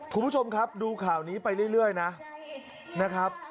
คุณผู้ชมครับดูข่าวนี้ไปเรื่อยนะครับ